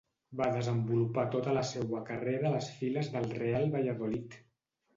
Va desenvolupar tota la seua carrera a les files del Real Valladolid.